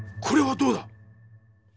これはどうだ？